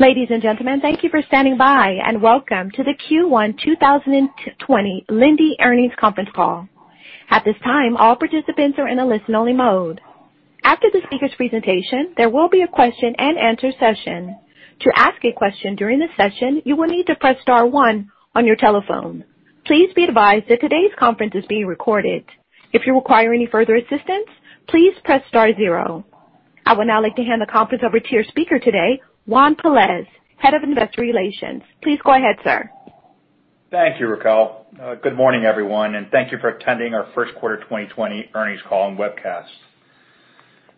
Ladies and gentlemen, thank you for standing by, and welcome to the Q1 2020 Linde earnings conference call. At this time, all participants are in a listen-only mode. After the speakers' presentation, there will be a question and answer session. To ask a question during the session, you will need to press star one on your telephone. Please be advised that today's conference is being recorded. If you require any further assistance, please press star zero. I would now like to hand the conference over to your speaker today, Juan Pelaez, Head of Investor Relations. Please go ahead, sir. Thank you, Raquel. Good morning, everyone, and thank you for attending our first quarter 2020 earnings call and webcast.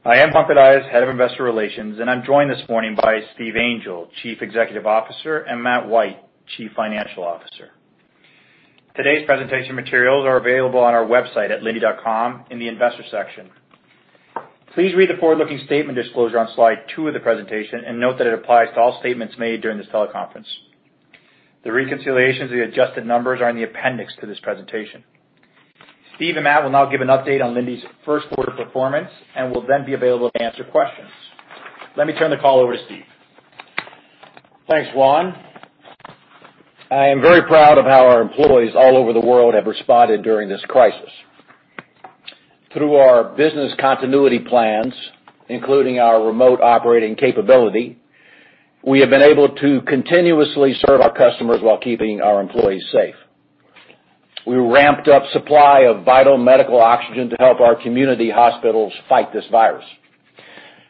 I am Juan Pelaez, Head of Investor Relations, and I'm joined this morning by Steve Angel, Chief Executive Officer, and Matt White, Chief Financial Officer. Today's presentation materials are available on our website at linde.com in the Investor section. Please read the forward-looking statement disclosure on slide two of the presentation, and note that it applies to all statements made during this teleconference. The reconciliations of the adjusted numbers are in the appendix to this presentation. Steve and Matt will now give an update on Linde's first quarter performance and will then be available to answer questions. Let me turn the call over to Steve. Thanks, Juan. I am very proud of how our employees all over the world have responded during this crisis. Through our business continuity plans, including our remote operating capability, we have been able to continuously serve our customers while keeping our employees safe. We ramped up supply of vital medical oxygen to help our community hospitals fight this virus.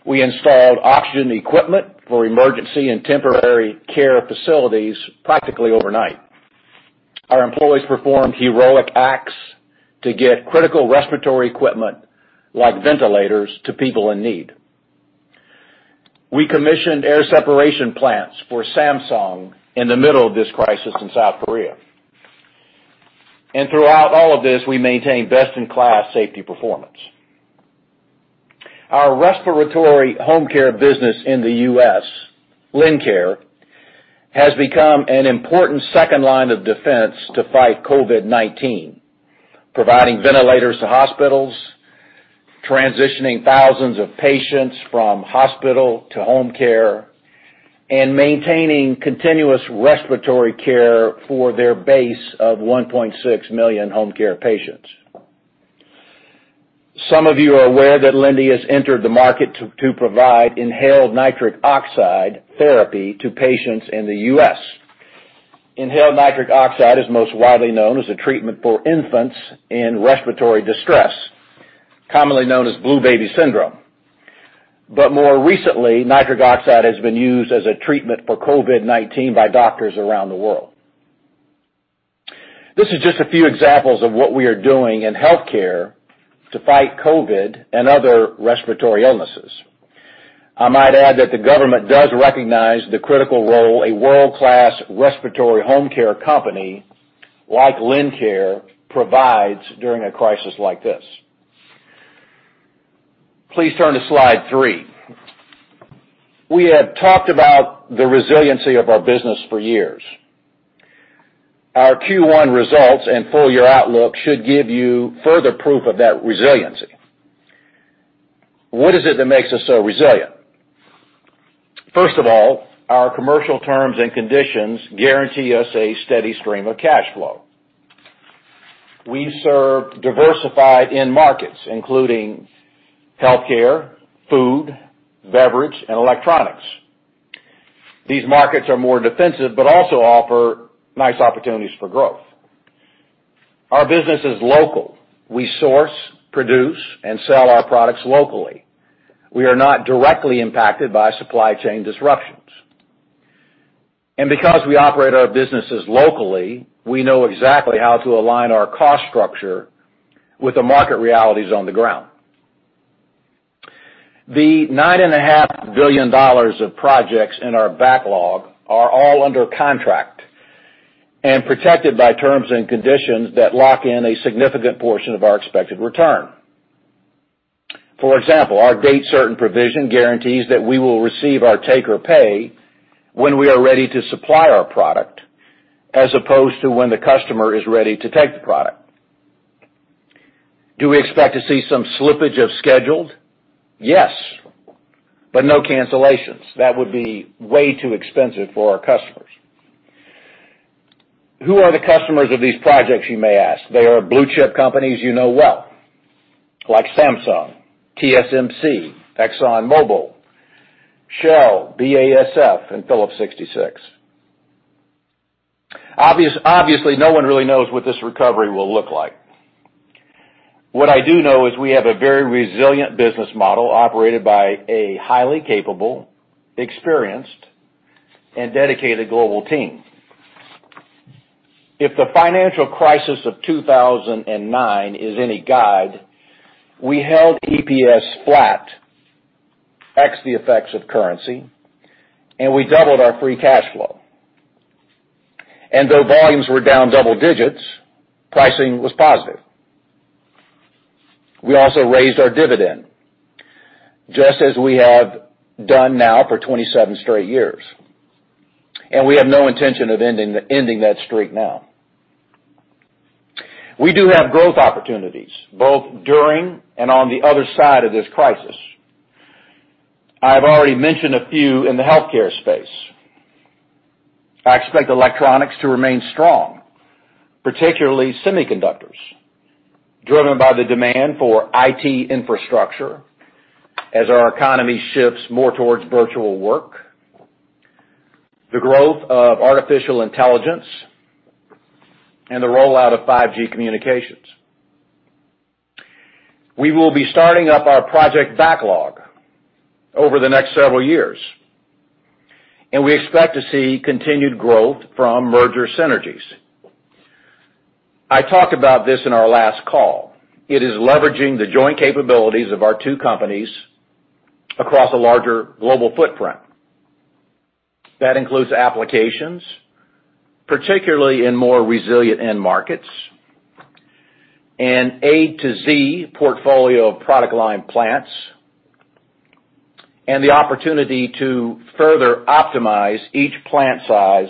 We installed oxygen equipment for emergency and temporary care facilities practically overnight. Our employees performed heroic acts to get critical respiratory equipment, like ventilators, to people in need. We commissioned air separation plants for Samsung in the middle of this crisis in South Korea. Throughout all of this, we maintained best-in-class safety performance. Our respiratory home care business in the U.S., Lincare, has become an important second line of defense to fight COVID-19, providing ventilators to hospitals, transitioning thousands of patients from hospital to home care, and maintaining continuous respiratory care for their base of 1.6 million home care patients. Some of you are aware that Linde has entered the market to provide inhaled nitric oxide therapy to patients in the U.S. Inhaled nitric oxide is most widely known as a treatment for infants in respiratory distress, commonly known as blue baby syndrome. More recently, nitric oxide has been used as a treatment for COVID-19 by doctors around the world. This is just a few examples of what we are doing in healthcare to fight COVID and other respiratory illnesses. I might add that the government does recognize the critical role a world-class respiratory home care company like Lincare provides during a crisis like this. Please turn to slide three. We have talked about the resiliency of our business for years. Our Q1 results and full year outlook should give you further proof of that resiliency. What is it that makes us so resilient? First of all, our commercial terms and conditions guarantee us a steady stream of cash flow. We serve diversified end markets, including healthcare, food, beverage, and electronics. These markets are more defensive but also offer nice opportunities for growth. Our business is local. We source, produce, and sell our products locally. We are not directly impacted by supply chain disruptions. Because we operate our businesses locally, we know exactly how to align our cost structure with the market realities on the ground. The $9.5 billion of projects in our backlog are all under contract and protected by terms and conditions that lock in a significant portion of our expected return. For example, our date certain provision guarantees that we will receive our take or pay when we are ready to supply our product, as opposed to when the customer is ready to take the product. Do we expect to see some slippage of schedules? Yes, but no cancellations. That would be way too expensive for our customers. Who are the customers of these projects, you may ask. They are blue-chip companies you know well, like Samsung, TSMC, ExxonMobil, Shell, BASF, and Phillips 66. Obviously, no one really knows what this recovery will look like. What I do know is we have a very resilient business model operated by a highly capable, experienced, and dedicated global team. If the financial crisis of 2009 is any guide, we held EPS flat, ex the effects of currency, and we doubled our free cash flow. Though volumes were down double digits, pricing was positive. We also raised our dividend, just as we have done now for 27 straight years. We have no intention of ending that streak now. We do have growth opportunities both during and on the other side of this crisis. I've already mentioned a few in the healthcare space. I expect electronics to remain strong, particularly semiconductors, driven by the demand for IT infrastructure as our economy shifts more towards virtual work, the growth of artificial intelligence, and the rollout of 5G communications. We will be starting up our project backlog over the next several years, and we expect to see continued growth from merger synergies. I talked about this in our last call. It is leveraging the joint capabilities of our two companies across a larger global footprint. That includes applications, particularly in more resilient end markets, an A to Z portfolio of product line plants, and the opportunity to further optimize each plant size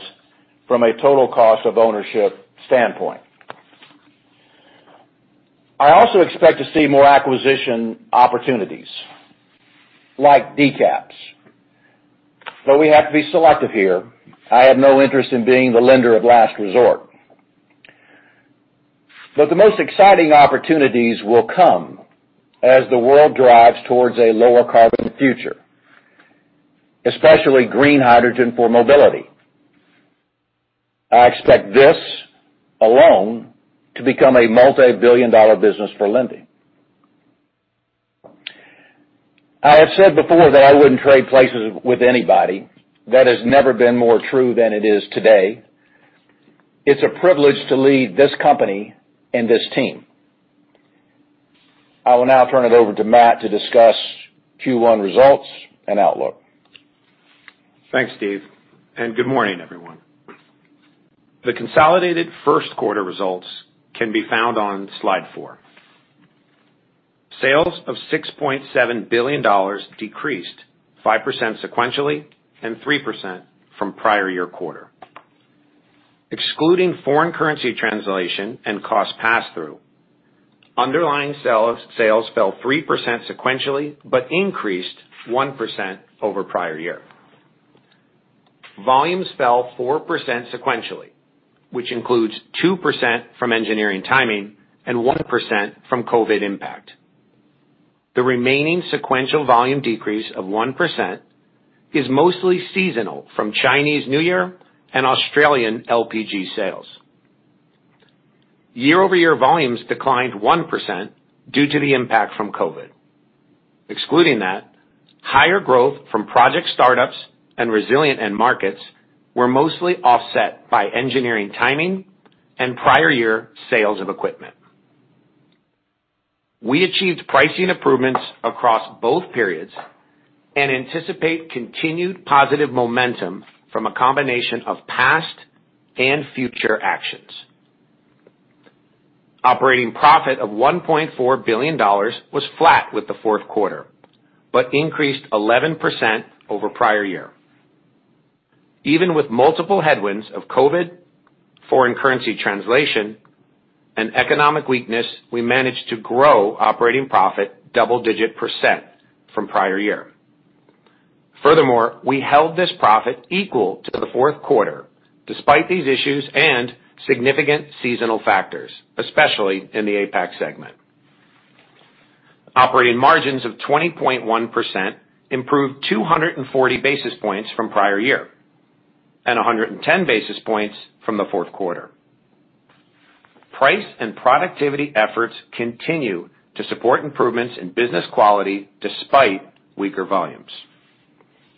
from a total cost of ownership standpoint. I also expect to see more acquisition opportunities like decaps. We have to be selective here. I have no interest in being the lender of last resort. The most exciting opportunities will come as the world drives towards a lower carbon future, especially green hydrogen for mobility. I expect this alone to become a multi-billion dollar business for Linde. I have said before that I wouldn't trade places with anybody. That has never been more true than it is today. It's a privilege to lead this company and this team. I will now turn it over to Matt to discuss Q1 results and outlook. Thanks, Steve. Good morning, everyone. The consolidated first quarter results can be found on slide four. Sales of $6.7 billion decreased 5% sequentially and 3% from prior-year quarter. Excluding foreign currency translation and cost passthrough, underlying sales fell 3% sequentially, increased 1% over prior-year. Volumes fell 4% sequentially, which includes 2% from engineering timing and 1% from COVID impact. The remaining sequential volume decrease of 1% is mostly seasonal from Chinese New Year and Australian LPG sales. Year-over-year volumes declined 1% due to the impact from COVID. Excluding that, higher growth from project startups and resilient end markets were mostly offset by engineering timing and prior-year sales of equipment. We achieved pricing improvements across both periods, anticipate continued positive momentum from a combination of past and future actions. Operating profit of $1.4 billion was flat with the fourth quarter, increased 11% over prior year. Even with multiple headwinds of COVID, foreign currency translation, and economic weakness, we managed to grow operating profit double digit percent from prior year. Furthermore, we held this profit equal to the fourth quarter despite these issues and significant seasonal factors, especially in the APAC segment. Operating margins of 20.1% improved 240 basis points from prior year, 110 basis points from the fourth quarter. Price and productivity efforts continue to support improvements in business quality despite weaker volumes.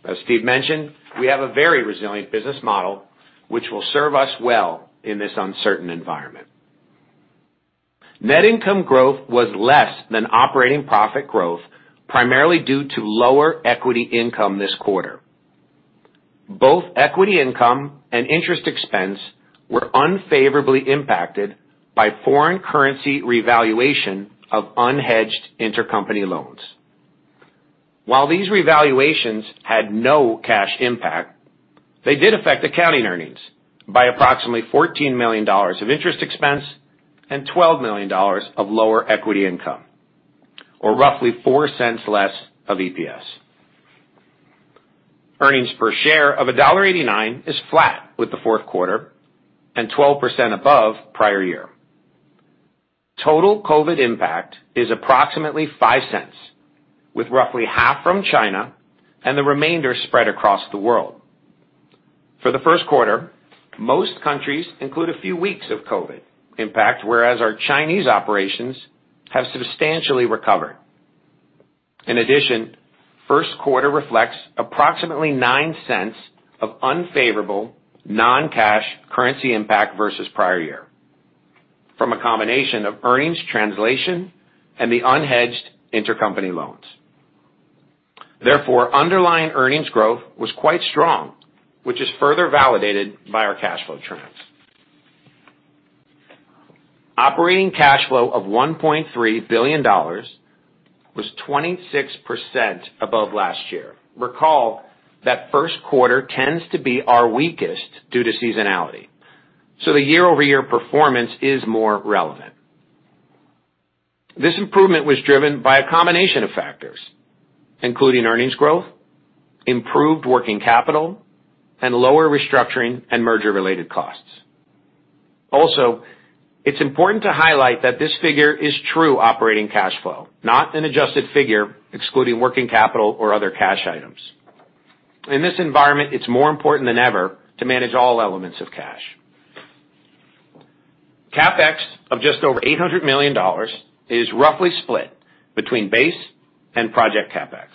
As Steve mentioned, we have a very resilient business model which will serve us well in this uncertain environment. Net income growth was less than operating profit growth, primarily due to lower equity income this quarter. Both equity income and interest expense were unfavorably impacted by foreign currency revaluation of unhedged intercompany loans. While these revaluations had no cash impact, they did affect accounting earnings by approximately $14 million of interest expense and $12 million of lower equity income, or roughly $0.04 less of EPS. Earnings per share of $1.89 is flat with the fourth quarter and 12% above prior year. Total COVID impact is approximately $0.05, with roughly half from China and the remainder spread across the world. For the first quarter, most countries include a few weeks of COVID impact, whereas our Chinese operations have substantially recovered. In addition, first quarter reflects approximately $0.09 of unfavorable non-cash currency impact versus prior year from a combination of earnings translation and the unhedged intercompany loans. Underlying earnings growth was quite strong, which is further validated by our cash flow trends. Operating cash flow of $1.3 billion was 26% above last year. Recall that first quarter tends to be our weakest due to seasonality, so the year-over-year performance is more relevant. This improvement was driven by a combination of factors, including earnings growth, improved working capital, and lower restructuring and merger-related costs. Also, it's important to highlight that this figure is true operating cash flow, not an adjusted figure excluding working capital or other cash items. In this environment, it's more important than ever to manage all elements of cash. CapEx of just over $800 million is roughly split between base and project CapEx.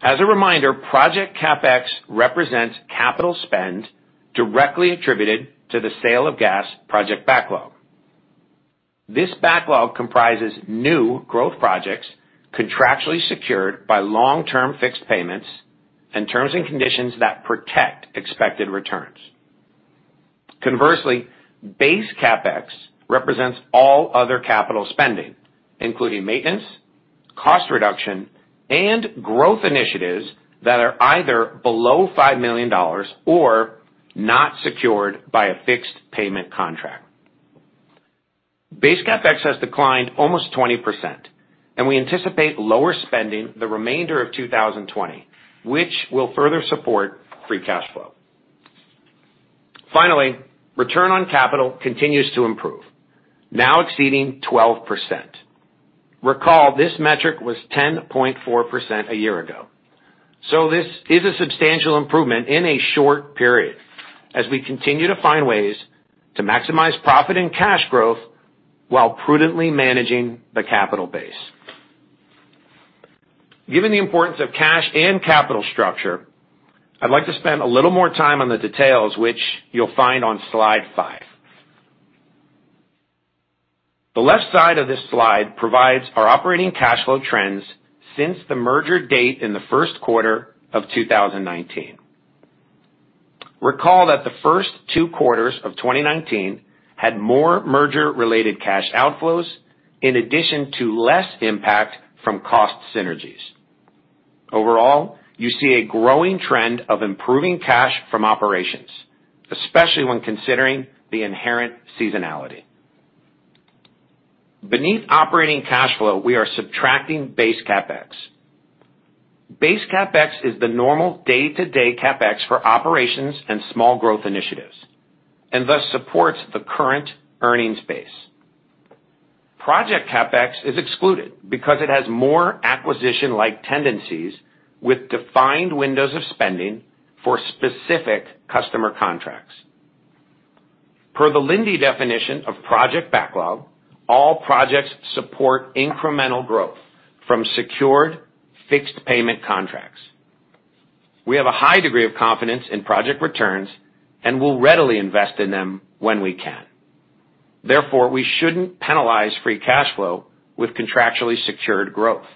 As a reminder, project CapEx represents capital spend directly attributed to the sale of gas project backlog. This backlog comprises new growth projects contractually secured by long-term fixed payments and terms and conditions that protect expected returns. Conversely, base CapEx represents all other capital spending, including maintenance, cost reduction, and growth initiatives that are either below $5 million or not secured by a fixed payment contract. Base CapEx has declined almost 20%, and we anticipate lower spending the remainder of 2020, which will further support free cash flow. Finally, return on capital continues to improve, now exceeding 12%. Recall, this metric was 10.4% a year ago. This is a substantial improvement in a short period as we continue to find ways to maximize profit and cash growth while prudently managing the capital base. Given the importance of cash and capital structure, I'd like to spend a little more time on the details, which you'll find on slide five. The left side of this slide provides our operating cash flow trends since the merger date in the first quarter of 2019. Recall that the first two quarters of 2019 had more merger-related cash outflows in addition to less impact from cost synergies. Overall, you see a growing trend of improving cash from operations, especially when considering the inherent seasonality. Beneath operating cash flow, we are subtracting base CapEx. Base CapEx is the normal day-to-day CapEx for operations and small growth initiatives, and thus supports the current earnings base. Project CapEx is excluded because it has more acquisition-like tendencies with defined windows of spending for specific customer contracts. Per the Linde definition of project backlog, all projects support incremental growth from secured fixed payment contracts. We have a high degree of confidence in project returns and will readily invest in them when we can. Therefore, we shouldn't penalize free cash flow with contractually secured growth.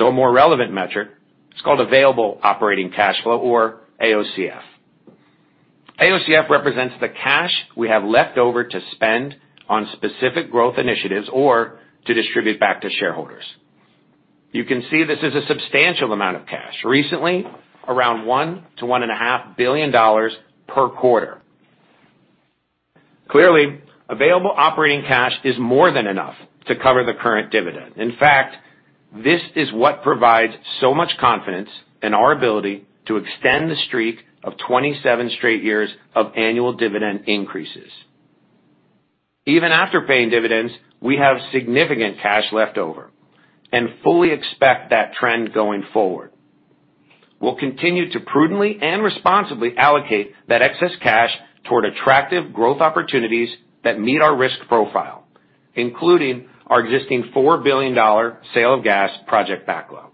A more relevant metric is called available operating cash flow, or AOCF. AOCF represents the cash we have left over to spend on specific growth initiatives or to distribute back to shareholders. You can see this is a substantial amount of cash, recently around $1 billion-$1.5 billion per quarter. Clearly, available operating cash is more than enough to cover the current dividend. In fact, this is what provides so much confidence in our ability to extend the streak of 27 straight years of annual dividend increases. Even after paying dividends, we have significant cash left over and fully expect that trend going forward. We'll continue to prudently and responsibly allocate that excess cash toward attractive growth opportunities that meet our risk profile, including our existing $4 billion sale of gas project backlog.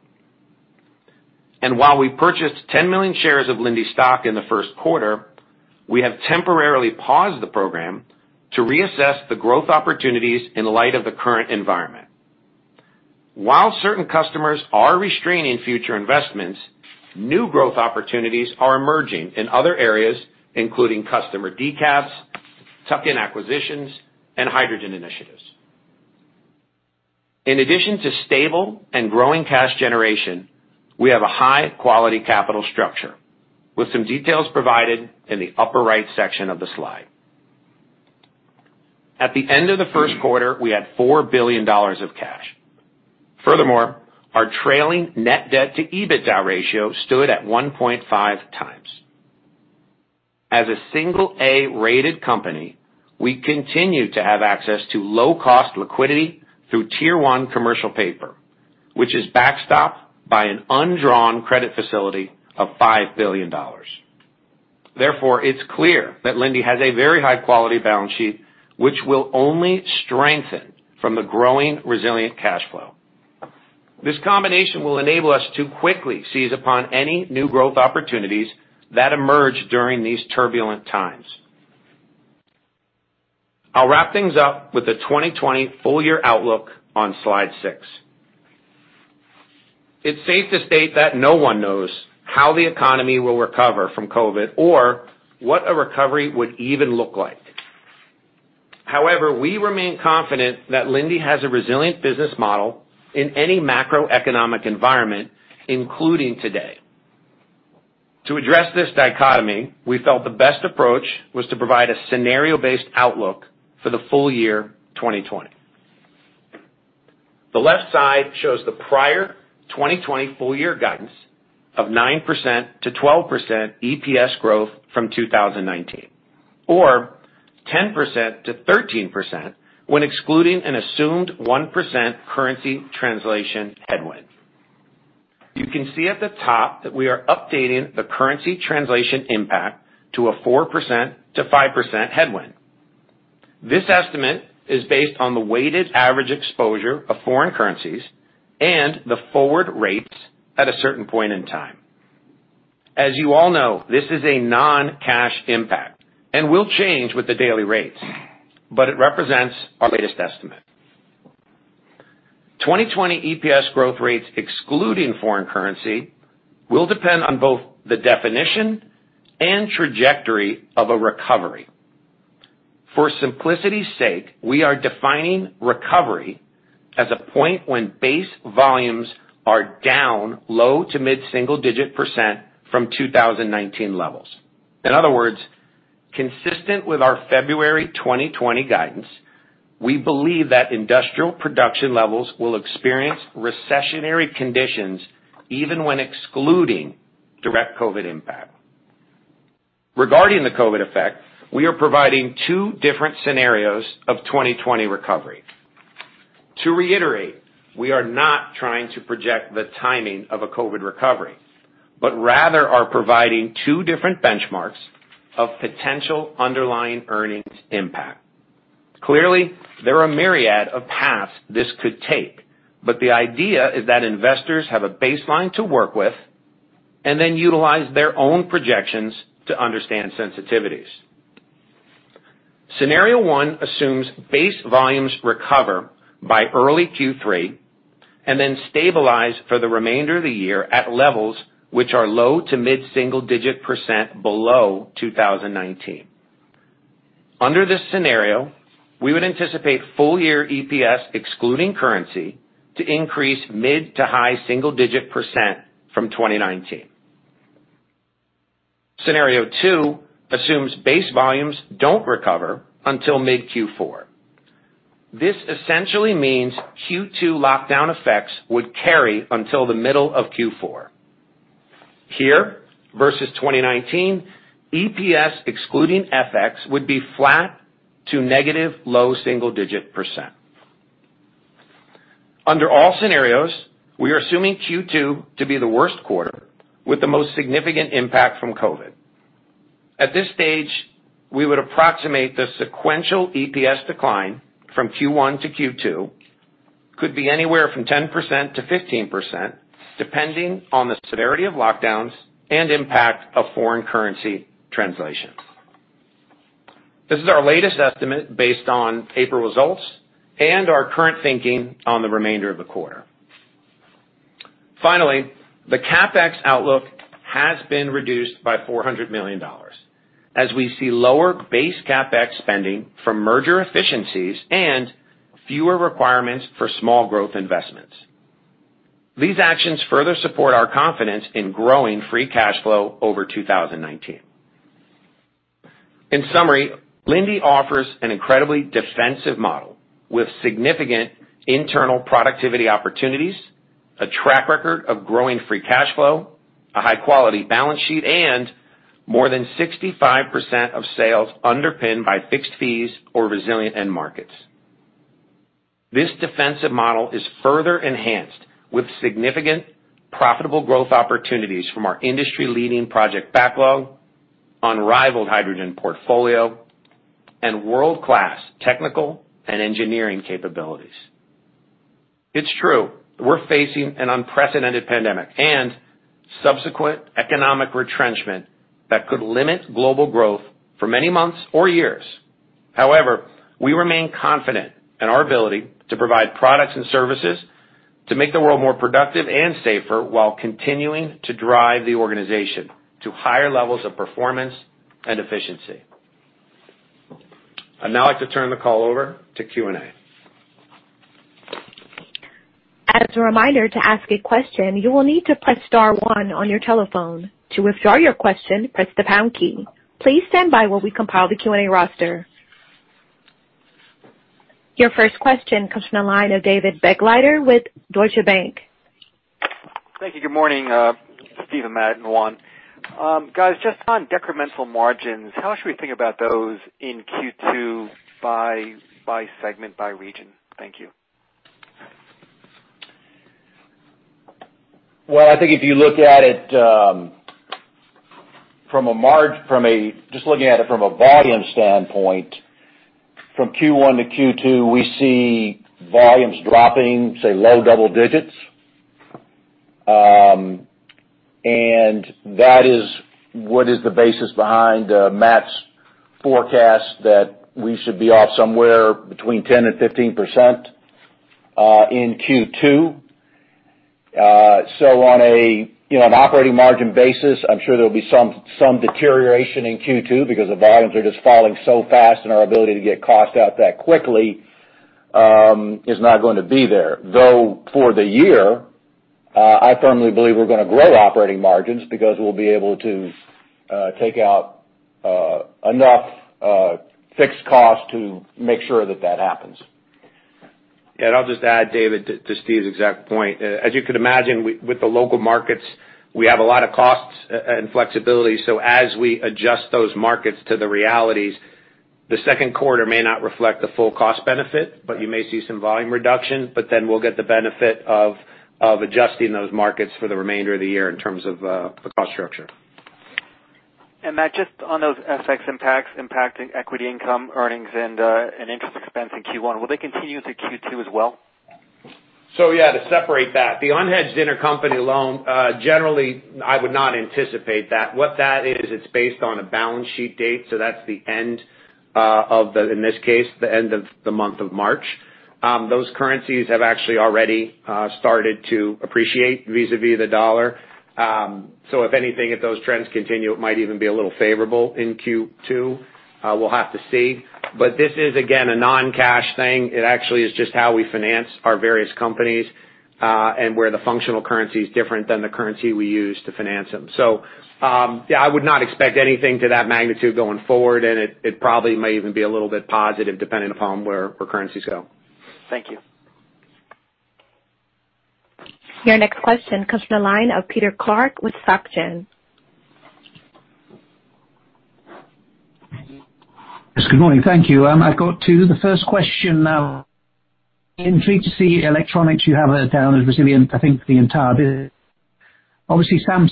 While we purchased 10 million shares of Linde stock in the first quarter, we have temporarily paused the program to reassess the growth opportunities in light of the current environment. While certain customers are restraining future investments, new growth opportunities are emerging in other areas, including customer decaps, tuck-in acquisitions, and hydrogen initiatives. In addition to stable and growing cash generation, we have a high-quality capital structure with some details provided in the upper right section of the slide. At the end of the first quarter, we had $4 billion of cash. Furthermore, our trailing net debt to EBITDA ratio stood at 1.5x. As a single A-rated company, we continue to have access to low-cost liquidity through Tier 1 commercial paper, which is backstopped by an undrawn credit facility of $5 billion. It's clear that Linde has a very high-quality balance sheet, which will only strengthen from the growing resilient cash flow. This combination will enable us to quickly seize upon any new growth opportunities that emerge during these turbulent times. I'll wrap things up with the 2020 full year outlook on slide six. It's safe to state that no one knows how the economy will recover from COVID or what a recovery would even look like. We remain confident that Linde has a resilient business model in any macroeconomic environment, including today. To address this dichotomy, we felt the best approach was to provide a scenario-based outlook for the full year 2020. The left side shows the prior 2020 full year guidance of 9%-12% EPS growth from 2019, or 10%-13% when excluding an assumed 1% currency translation headwind. You can see at the top that we are updating the currency translation impact to a 4%-5% headwind. This estimate is based on the weighted average exposure of foreign currencies and the forward rates at a certain point in time. As you all know, this is a non-cash impact and will change with the daily rates. It represents our latest estimate. 2020 EPS growth rates excluding foreign currency will depend on both the definition and trajectory of a recovery. For simplicity's sake, we are defining recovery as a point when base volumes are down low to mid-single digit percent from 2019 levels. In other words, consistent with our February 2020 guidance, we believe that industrial production levels will experience recessionary conditions even when excluding direct COVID impact. Regarding the COVID effect, we are providing two different scenarios of 2020 recovery. To reiterate, we are not trying to project the timing of a COVID recovery, but rather are providing two different benchmarks of potential underlying earnings impact. Clearly, there are a myriad of paths this could take, but the idea is that investors have a baseline to work with, and then utilize their own projections to understand sensitivities. Scenario one assumes base volumes recover by early Q3, and then stabilize for the remainder of the year at levels which are low to mid-single digit percent below 2019. Under this scenario, we would anticipate full year EPS excluding currency to increase mid to high single digit percent from 2019. Scenario two assumes base volumes don't recover until mid Q4. This essentially means Q2 lockdown effects would carry until the middle of Q4. Here, versus 2019, EPS excluding FX would be flat to negative low single digit percent. Under all scenarios, we are assuming Q2 to be the worst quarter with the most significant impact from COVID. At this stage, we would approximate the sequential EPS decline from Q1 to Q2 could be anywhere from 10%-15%, depending on the severity of lockdowns and impact of foreign currency translation. This is our latest estimate based on April results and our current thinking on the remainder of the quarter. The CapEx outlook has been reduced by $400 million. We see lower base CapEx spending from merger efficiencies and fewer requirements for small growth investments. These actions further support our confidence in growing free cash flow over 2019. In summary, Linde offers an incredibly defensive model with significant internal productivity opportunities, a track record of growing free cash flow, a high quality balance sheet, and more than 65% of sales underpinned by fixed fees or resilient end markets. This defensive model is further enhanced with significant profitable growth opportunities from our industry-leading project backlog, unrivaled hydrogen portfolio, and world-class technical and engineering capabilities. It's true that we're facing an unprecedented pandemic and subsequent economic retrenchment that could limit global growth for many months or years. However, we remain confident in our ability to provide products and services to make the world more productive and safer while continuing to drive the organization to higher levels of performance and efficiency. I'd now like to turn the call over to Q&A. As a reminder, to ask a question, you will need to press star one on your telephone. To withdraw your question, press the pound key. Please stand by while we compile the Q&A roster. Your first question comes from the line of David Begleiter with Deutsche Bank. Thank you. Good morning, Steve, Matt, and Juan. Guys, just on decremental margins, how should we think about those in Q2 by segment, by region? Thank you. Well, I think if you look at it from a volume standpoint, from Q1 to Q2, we see volumes dropping, say low double digits. That is what is the basis behind Matt's forecast that we should be off somewhere between 10% and 15% in Q2. On an operating margin basis, I'm sure there'll be some deterioration in Q2 because the volumes are just falling so fast and our ability to get cost out that quickly is not going to be there. Though for the year, I firmly believe we're going to grow operating margins because we'll be able to take out enough fixed cost to make sure that that happens. Yeah. I'll just add, David, to Steve's exact point. As you can imagine, with the local markets, we have a lot of costs and flexibility. As we adjust those markets to the realities, the second quarter may not reflect the full cost benefit, but you may see some volume reduction. We'll get the benefit of adjusting those markets for the remainder of the year in terms of the cost structure. Matt, just on those FX impacts impacting equity income earnings and interest expense in Q1, will they continue through Q2 as well? Yeah, to separate that. The unhedged intercompany loan, generally, I would not anticipate that. What that is, it's based on a balance sheet date, so that's, in this case, the end of the month of March. Those currencies have actually already started to appreciate vis-a-vis the dollar. If anything, if those trends continue, it might even be a little favorable in Q2. We'll have to see. This is again, a non-cash thing. It actually is just how we finance our various companies, and where the functional currency is different than the currency we use to finance them. Yeah, I would not expect anything to that magnitude going forward, and it probably may even be a little bit positive depending upon where currencies go. Thank you. Your next question comes from the line of Peter Clark with SocGen. Yes, good morning. Thank you. I've got two. The first question now. In Q3 electronics, you have it down as resilient, I think, for the entire business. Obviously, Samsung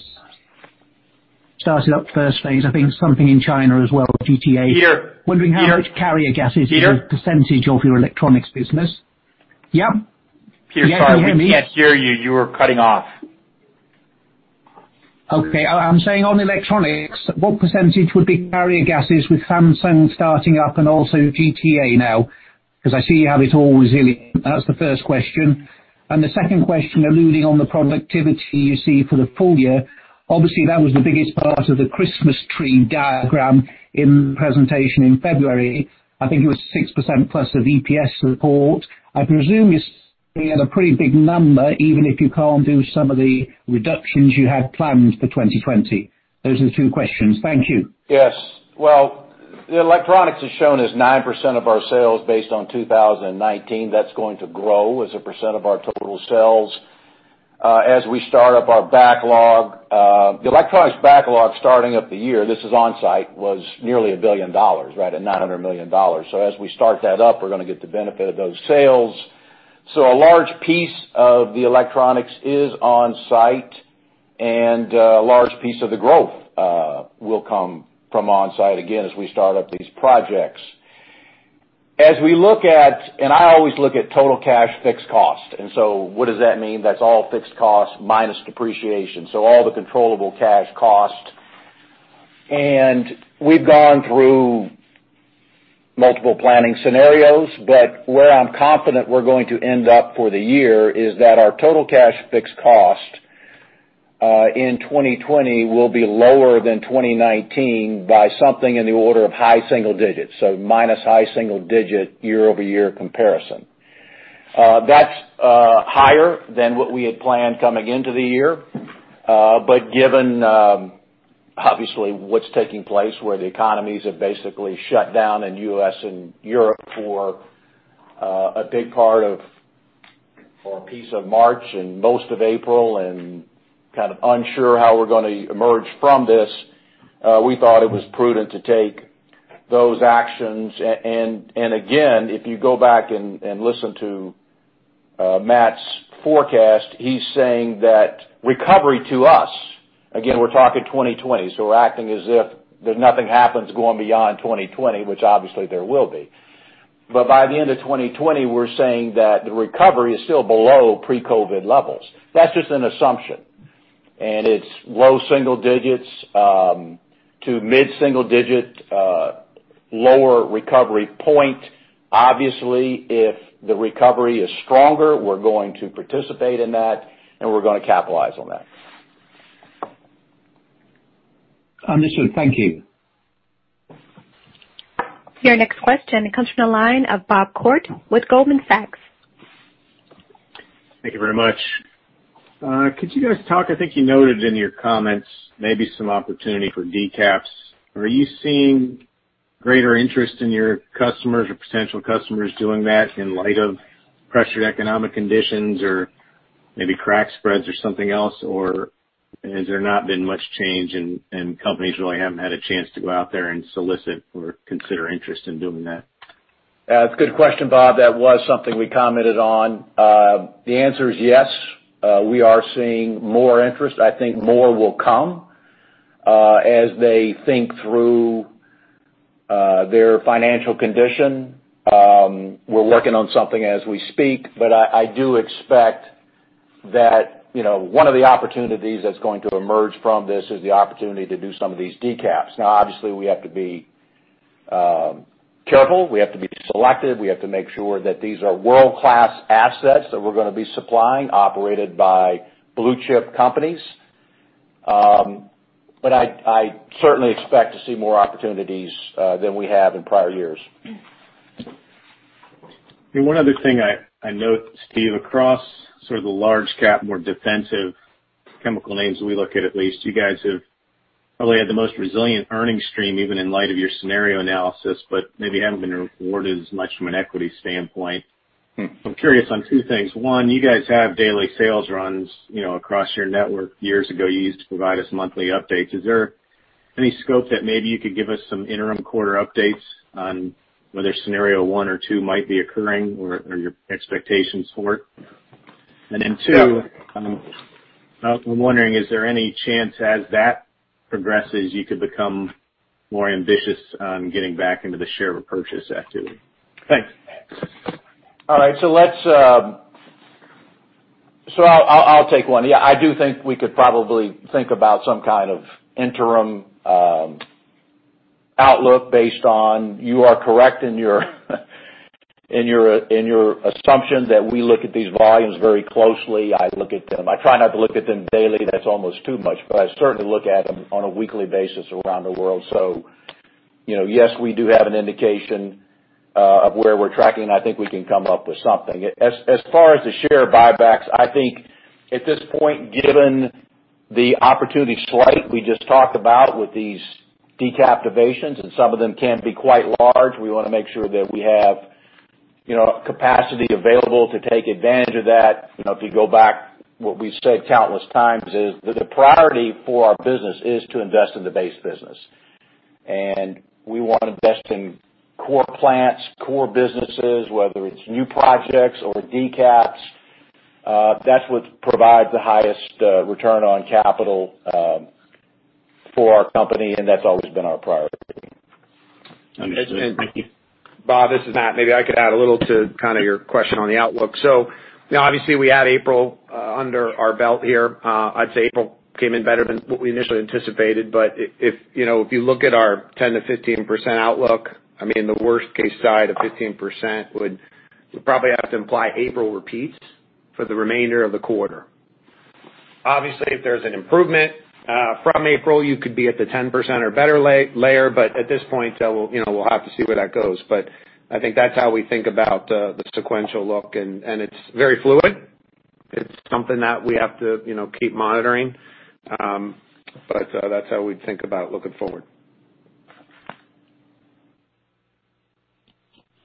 started up first phase, I think something in China as well, GTA. Peter? Wondering how much carrier gas– Peter? –is as a percentage of your electronics business. Yeah. Can you hear me? Peter, sorry, we can't hear you. You are cutting off. Okay. I'm saying on electronics, what percentage would be carrier gases with Samsung starting up and also GTA now? I see you have it all resilient. That's the first question. The second question, alluding on the productivity you see for the full year, obviously that was the biggest part of the Christmas tree diagram in the presentation in February. I think it was 6%+ of EPS report. I presume it's going at a pretty big number, even if you can't do some of the reductions you had planned for 2020. Those are the two questions. Thank you. Well, electronics is shown as 9% of our sales based on 2019. That's going to grow as a percent of our total sales. We start up our backlog. The electronics backlog starting up the year, this is on-site, was nearly a billion dollars, at $900 million. As we start that up, we're going to get the benefit of those sales. A large piece of the electronics is on-site, and a large piece of the growth will come from on-site again as we start up these projects. As we look at, and I always look at total cash fixed cost. What does that mean? That's all fixed cost minus depreciation, so all the controllable cash cost. We've gone through multiple planning scenarios, but where I'm confident we're going to end up for the year is that our total cash fixed cost, in 2020, will be lower than 2019 by something in the order of high single digits. Minus high single digit year-over-year comparison. That's higher than what we had planned coming into the year. Given obviously what's taking place where the economies have basically shut down in U.S. and Europe for a big part of, or a piece of March and most of April, and kind of unsure how we're going to emerge from this, we thought it was prudent to take those actions. Again, if you go back and listen to Matt's forecast, he's saying that recovery to us, again, we're talking 2020, so we're acting as if there's nothing happens going beyond 2020, which obviously there will be. By the end of 2020, we're saying that the recovery is still below pre-COVID levels. That's just an assumption, and it's low single digits to mid-single digit, lower recovery point. Obviously, if the recovery is stronger, we're going to participate in that, and we're going to capitalize on that. Understood. Thank you. Your next question comes from the line of Bob Koort with Goldman Sachs. Thank you very much. Could you guys talk, I think you noted in your comments maybe some opportunity for decaps. Are you seeing greater interest in your customers or potential customers doing that in light of pressured economic conditions or maybe crack spreads or something else, or has there not been much change and companies really haven't had a chance to go out there and solicit or consider interest in doing that? That's a good question, Bob. That was something we commented on. The answer is yes. We are seeing more interest. I think more will come as they think through their financial condition. We're working on something as we speak, but I do expect that one of the opportunities that's going to emerge from this is the opportunity to do some of these decaps. Now, obviously, we have to be careful. We have to be selective. We have to make sure that these are world-class assets that we're going to be supplying, operated by blue-chip companies. I certainly expect to see more opportunities than we have in prior years. One other thing I note, Steve, across sort of the large cap, more defensive chemical names we look at least, you guys have probably had the most resilient earnings stream, even in light of your scenario analysis, but maybe haven't been rewarded as much from an equity standpoint. I'm curious on two things. One, you guys have daily sales runs across your network. Years ago, you used to provide us monthly updates. Is there any scope that maybe you could give us some interim quarter updates on whether scenario one or two might be occurring, or your expectations for it? Two, I'm wondering, is there any chance, as that progresses, you could become more ambitious on getting back into the share repurchase activity? Thanks. All right. I'll take one. I do think we could probably think about some kind of interim outlook based on, you are correct in your assumption that we look at these volumes very closely. I look at them. I try not to look at them daily, that's almost too much, but I certainly look at them on a weekly basis around the world. Yes, we do have an indication of where we're tracking, and I think we can come up with something. As far as the share buybacks, I think at this point, given the opportunity slate we just talked about with these decaptivations, and some of them can be quite large. We want to make sure that we have capacity available to take advantage of that. If you go back, what we've said countless times is, the priority for our business is to invest in the base business. We want to invest in core plants, core businesses, whether it's new projects or decaps. That's what provides the highest return on capital for our company, and that's always been our priority. Understood. Thank you. Bob, this is Matt. Maybe I could add a little to kind of your question on the outlook. Obviously, we had April under our belt here. I'd say April came in better than what we initially anticipated. If you look at our 10%-15% outlook, I mean, the worst case side of 15% would probably have to imply April repeats for the remainder of the quarter. Obviously, if there's an improvement from April, you could be at the 10% or better layer. At this point, we'll have to see where that goes. I think that's how we think about the sequential look, and it's very fluid. It's something that we have to keep monitoring. That's how we think about looking forward.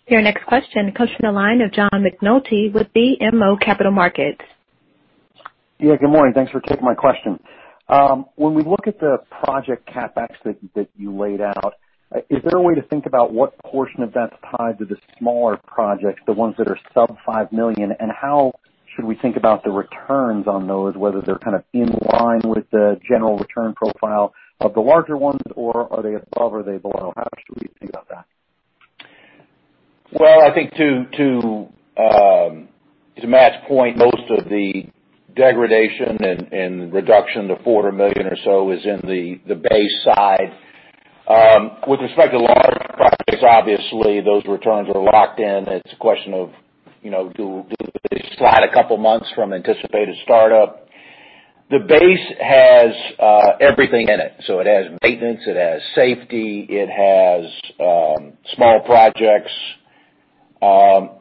Your next question comes from the line of John McNulty with BMO Capital Markets. Yeah, good morning. Thanks for taking my question. When we look at the project CapEx that you laid out, is there a way to think about what portion of that's tied to the smaller projects, the ones that are sub $5 million? How should we think about the returns on those, whether they're kind of in line with the general return profile of the larger ones, or are they above, or are they below? How should we think about that? I think to Matt's point, most of the degradation and reduction to $400 million or so is in the base side. With respect to large projects, obviously, those returns are locked in. It's a question of, do they slide a couple of months from anticipated startup? The base has everything in it. It has maintenance, it has safety, it has small projects.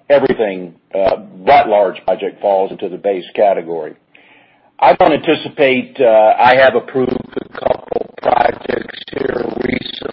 Everything that large project falls into the base category. I don't anticipate. I have approved a couple projects here recently,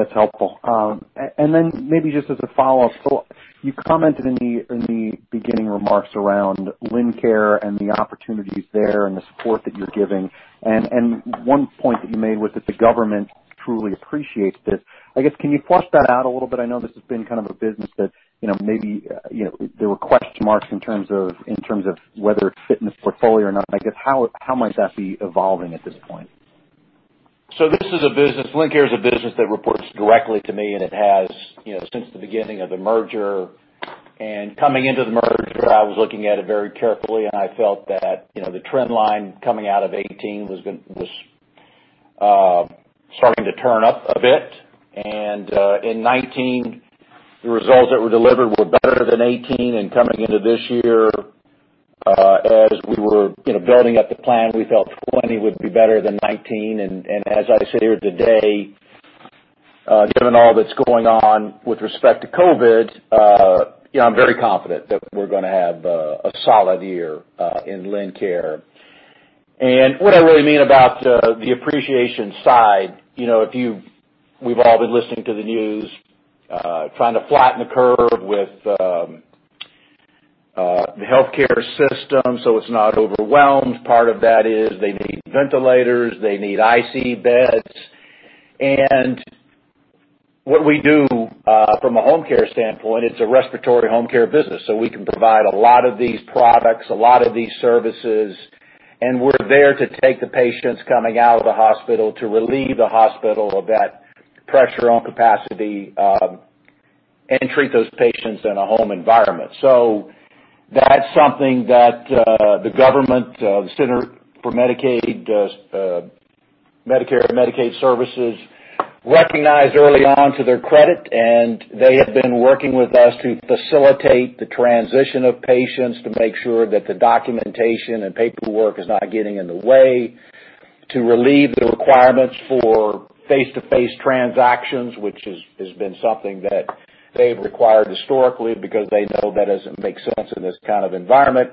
Got it. That's helpful. Then maybe just as a follow-up. You commented in the beginning remarks around Lincare and the opportunities there and the support that you're giving, one point that you made was that the government truly appreciates this. I guess, can you flush that out a little bit? I know this has been kind of a business that maybe there were question marks in terms of whether it fit in the portfolio or not, I guess, how might that be evolving at this point? This is a business, Lincare is a business that reports directly to me, and it has since the beginning of the merger. Coming into the merger, I was looking at it very carefully, and I felt that the trend line coming out of 2018 was starting to turn up a bit. In 2019, the results that were delivered were better than 2018, coming into this year, as we were building up the plan, we felt 2020 would be better than 2019. As I sit here today, given all that's going on with respect to COVID, I'm very confident that we're going to have a solid year in Lincare. What I really mean about the appreciation side, we've all been listening to the news, trying to flatten the curve with the healthcare system so it's not overwhelmed. Part of that is they need ventilators, they need ICU beds. What we do from a home care standpoint, it's a respiratory home care business, so we can provide a lot of these products, a lot of these services, and we're there to take the patients coming out of the hospital, to relieve the hospital of that pressure on capacity, and treat those patients in a home environment. That's something that the government, the Centers for Medicare & Medicaid Services recognized early on, to their credit. They have been working with us to facilitate the transition of patients to make sure that the documentation and paperwork is not getting in the way. To relieve the requirements for face-to-face transactions, which has been something that they've required historically because they know that doesn't make sense in this kind of environment.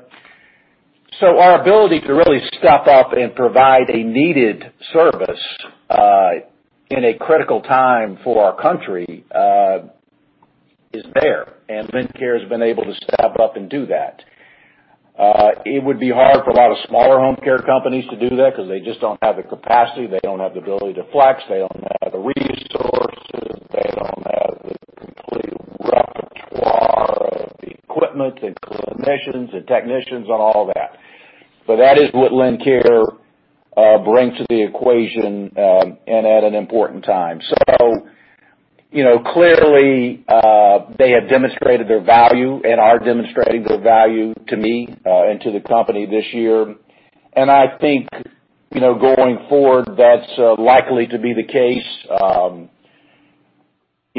Our ability to really step up and provide a needed service in a critical time for our country is there, and Lincare has been able to step up and do that. It would be hard for a lot of smaller home care companies to do that because they just don't have the capacity, they don't have the ability to flex, they don't have the resources, they don't have the complete repertoire of the equipment, the clinicians, the technicians, and all that. That is what Lincare brings to the equation, and at an important time. Clearly, they have demonstrated their value and are demonstrating their value to me and to the company this year. I think, going forward, that's likely to be the case.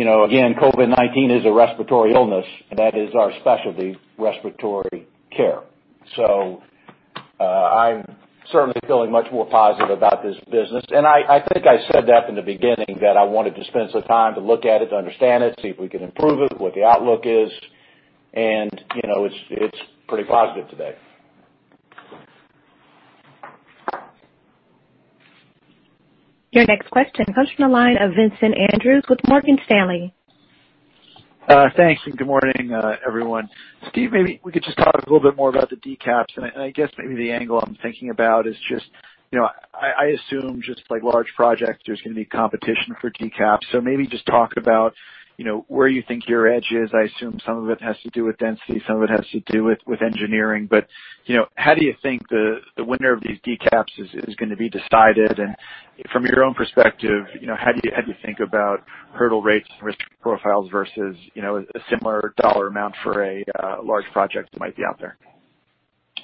Again, COVID-19 is a respiratory illness, and that is our specialty, respiratory care. I'm certainly feeling much more positive about this business. I think I said that in the beginning, that I wanted to spend some time to look at it, to understand it, see if we can improve it, what the outlook is, and it's pretty positive today. Your next question comes from the line of Vincent Andrews with Morgan Stanley. Thanks, good morning, everyone. Steve, maybe we could just talk a little bit more about the decaps. I guess maybe the angle I'm thinking about is, I assume just like large projects, there's going to be competition for decaps. Maybe just talk about where you think your edge is. I assume some of it has to do with density, some of it has to do with engineering. How do you think the winner of these decaps is going to be decided? From your own perspective, how do you think about hurdle rates and risk profiles versus a similar dollar amount for a large project that might be out there?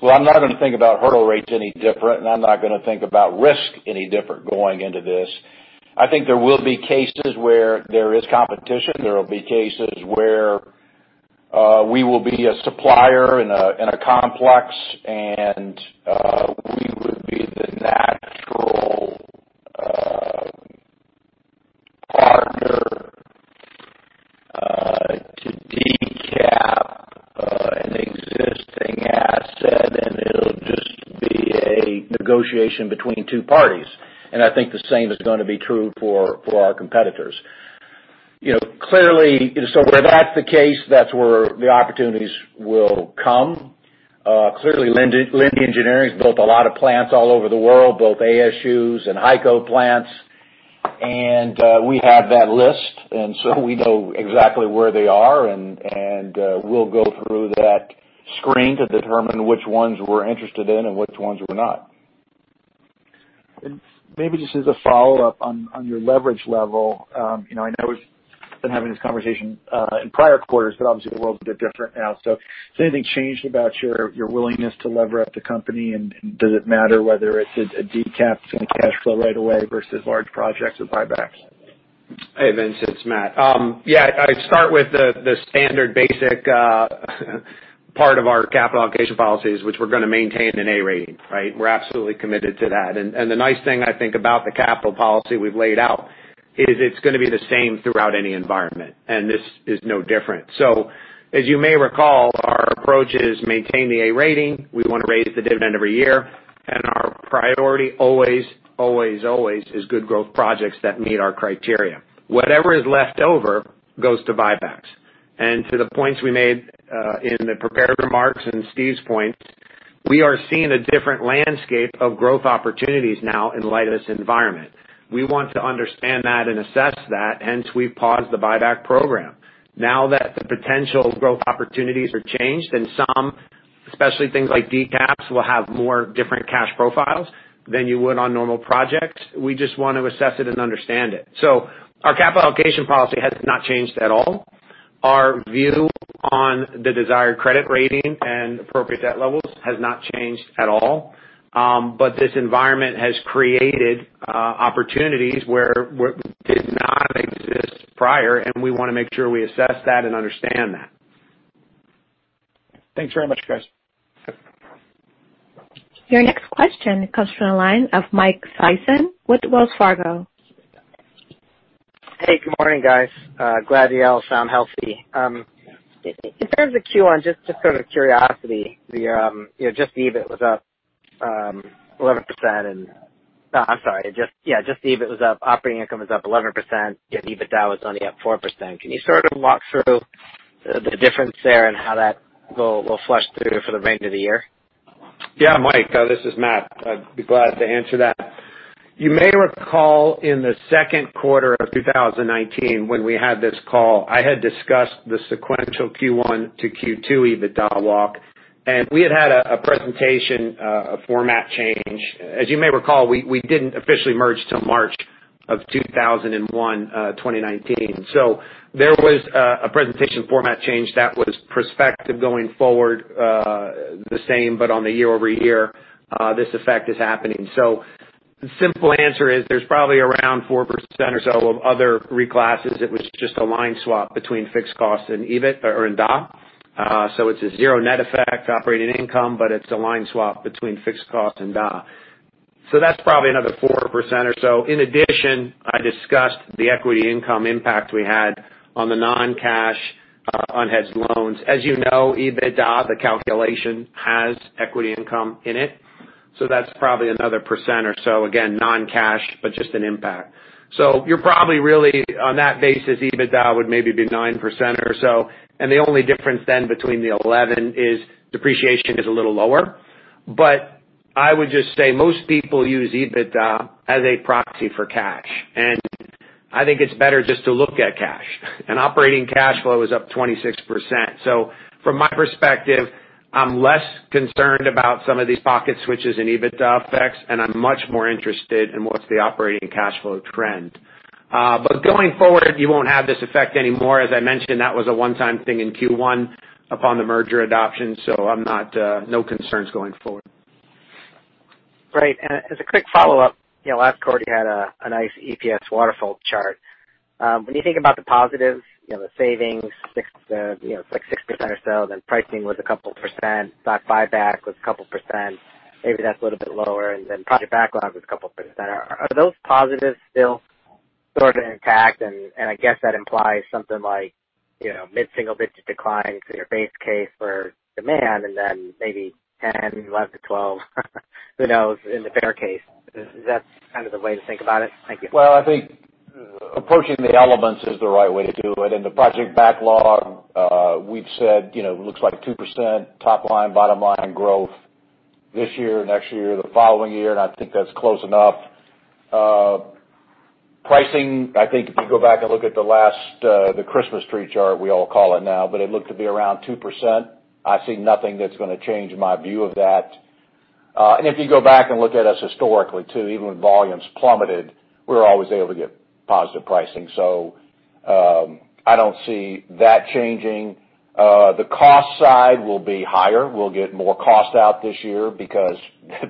Well, I'm not going to think about hurdle rates any different, and I'm not going to think about risk any different going into this. I think there will be cases where there is competition. There will be cases where we will be a supplier in a complex, and we would be the natural partner to decaps an existing asset, and it'll just be a negotiation between two parties. I think the same is going to be true for our competitors. Where that's the case, that's where the opportunities will come. Clearly, Linde Engineering's built a lot of plants all over the world, both ASUs and HyCO plants. We have that list, and so we know exactly where they are and we'll go through that screen to determine which ones we're interested in and which ones we're not. Maybe just as a follow-up on your leverage level. I know we been having this conversation in prior quarters, obviously the world's a bit different now. Has anything changed about your willingness to lever up the company, and does it matter whether it's a decaps that's going to cash flow right away versus large projects or buybacks? Hey, Vincent, it's Matt. Yeah. I start with the standard basic part of our capital allocation policies, which we're going to maintain an A rating, right? We're absolutely committed to that. The nice thing I think about the capital policy we've laid out is it's going to be the same throughout any environment, and this is no different. As you may recall, our approach is maintain the A rating. We want to raise the dividend every year, and our priority always is good growth projects that meet our criteria. Whatever is left over goes to buybacks and to the points we made, in the prepared remarks and Steve's points, we are seeing a different landscape of growth opportunities now in light of this environment. We want to understand that and assess that, hence we've paused the buyback program. Now that the potential growth opportunities are changed and some, especially things like decaps, will have more different cash profiles than you would on normal projects. We just want to assess it and understand it. Our capital allocation policy has not changed at all. Our view on the desired credit rating and appropriate debt levels has not changed at all. This environment has created opportunities that did not exist prior, and we want to make sure we assess that and understand that. Thanks very much, guys. Your next question comes from the line of Mike Sison with Wells Fargo. Hey, good morning, guys. Glad y'all sound healthy. In terms of Q1, just sort of curiosity, just EBIT was up 11%, and I'm sorry. Yeah, just EBIT was up, operating income was up 11%. Your EBITDA was only up 4%. Can you sort of walk through the difference there and how that will flush through for the remainder of the year? Mike, this is Matt. I'd be glad to answer that. You may recall in the second quarter of 2019 when we had this call, I had discussed the sequential Q1 to Q2 EBITDA walk. We had had a presentation, a format change. You may recall, we didn't officially merge till March of 2019. There was a presentation format change that was prospective going forward, the same, on the year-over-year, this effect is happening. The simple answer is there's probably around 4% or so of other reclasses. It was just a line swap between fixed costs and EBIT or in D&A. It's a zero net effect operating income. It's a line swap between fixed cost and D&A. That's probably another 4% or so. In addition, I discussed the equity income impact we had on the non-cash unhedged loans. As you know, EBITDA, the calculation has equity income in it, so that's probably another percent or so. Non-cash, but just an impact. You're probably really on that basis, EBITDA would maybe be 9% or so, and the only difference then between the 11% is depreciation is a little lower. I would just say most people use EBITDA as a proxy for cash, and I think it's better just to look at cash, and operating cash flow is up 26%. From my perspective, I'm less concerned about some of these pocket switches and EBITDA effects, and I'm much more interested in what's the operating cash flow trend. Going forward, you won't have this effect anymore. As I mentioned, that was a one-time thing in Q1 upon the merger adoption, so no concerns going forward. Great. As a quick follow-up, last quarter you had a nice EPS waterfall chart. When you think about the positives, the savings, it's like 6% or so, pricing was a couple percent. Stock buyback was a couple percent. Maybe that's a little bit lower. Project backlog was a couple percent. Are those positives still sort of intact? I guess that implies something like mid-single digit declines in your base case for demand and then maybe 10%, 11%-12% who knows, in the bear case. Is that kind of the way to think about it? Thank you. Well, I think approaching the elements is the right way to do it. In the project backlog, we've said it looks like 2% top line, bottom line growth this year, next year, the following year, and I think that's close enough. Pricing, I think if you go back and look at the last, the Christmas tree chart we all call it now, but it looked to be around 2%. I see nothing that's going to change my view of that. If you go back and look at us historically too, even when volumes plummeted, we were always able to get positive pricing. I don't see that changing. The cost side will be higher. We'll get more cost out this year because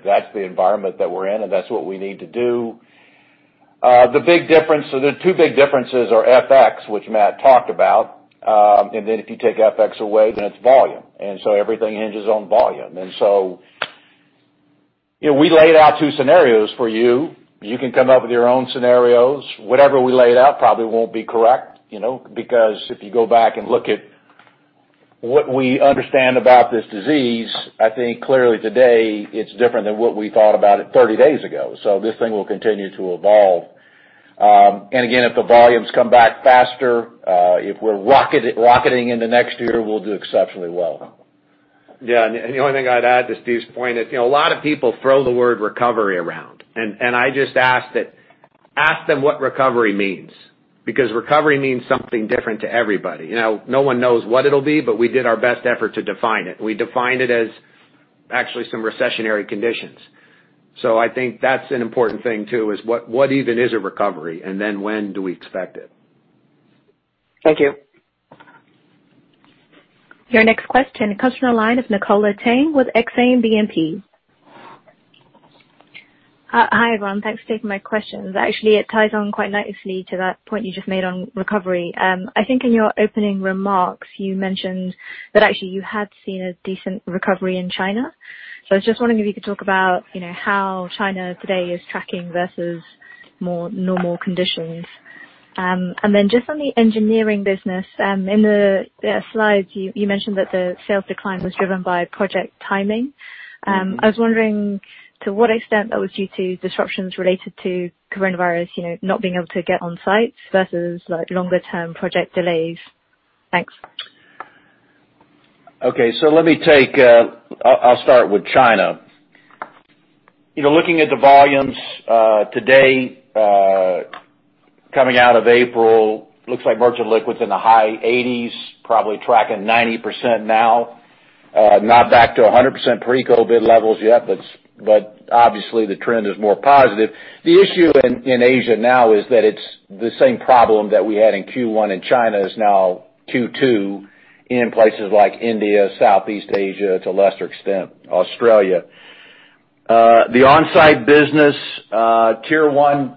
that's the environment that we're in and that's what we need to do. The two big differences are FX, which Matt talked about. If you take FX away, then it's volume. Everything hinges on volume. We laid out two scenarios for you. You can come up with your own scenarios. Whatever we laid out probably won't be correct because if you go back and look at what we understand about this disease, I think clearly today it's different than what we thought about it 30 days ago. This thing will continue to evolve. Again, if the volumes come back faster, if we're rocketing into next year, we'll do exceptionally well. The only thing I'd add to Steve's point is a lot of people throw the word recovery around, and I just ask them what recovery means, because recovery means something different to everybody. No one knows what it'll be, but we did our best effort to define it. We defined it as actually some recessionary conditions. I think that's an important thing too, is what even is a recovery, and then when do we expect it? Thank you. Your next question comes from the line of Nicola Tang with Exane BNP. Hi, everyone. Thanks for taking my questions. Actually, it ties on quite nicely to that point you just made on recovery. I think in your opening remarks, you mentioned that actually you had seen a decent recovery in China. I was just wondering if you could talk about how China today is tracking versus more normal conditions. Then just on the engineering business, in the slides, you mentioned that the sales decline was driven by project timing. I was wondering to what extent that was due to disruptions related to coronavirus, not being able to get on sites versus longer term project delays. Thanks. Okay. I'll start with China. Looking at the volumes today, coming out of April, looks like merchant liquids in the high 80s, probably tracking 90% now. Not back to 100% pre-COVID levels yet, but obviously the trend is more positive. The issue in Asia now is that it's the same problem that we had in Q1 in China is now Q2 in places like India, Southeast Asia, to a lesser extent, Australia. The on-site business, Tier 1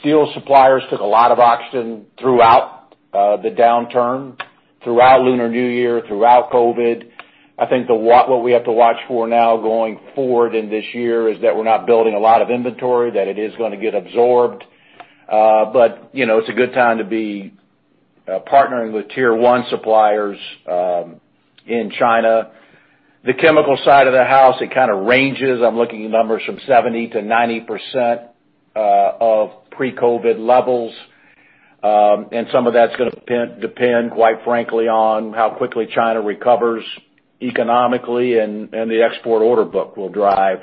steel suppliers took a lot of oxygen throughout the downturn, throughout Lunar New Year, throughout COVID. I think what we have to watch for now going forward in this year is that we're not building a lot of inventory, that it is going to get absorbed. It's a good time to be partnering with Tier 1 suppliers in China. The chemical side of the house, it kind of ranges. I'm looking at numbers from 70%-90% of pre-COVID levels. Some of that's going to depend, quite frankly, on how quickly China recovers economically, and the export order book will drive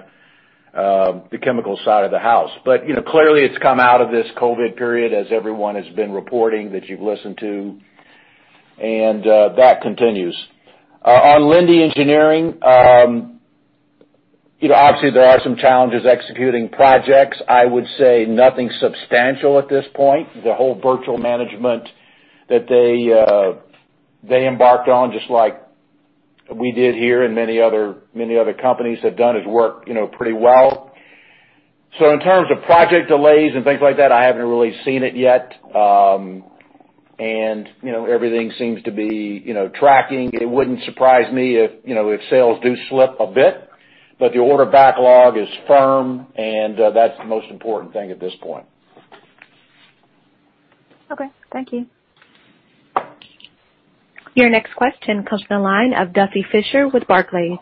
the chemical side of the house. Clearly it's come out of this COVID period, as everyone has been reporting that you've listened to, and that continues. On Linde Engineering, obviously there are some challenges executing projects. I would say nothing substantial at this point. The whole virtual management that they embarked on, just like we did here and many other companies have done, has worked pretty well. In terms of project delays and things like that, I haven't really seen it yet. Everything seems to be tracking. It wouldn't surprise me if sales do slip a bit, but the order backlog is firm, and that's the most important thing at this point. Okay. Thank you. Your next question comes from the line of Duffy Fischer with Barclays.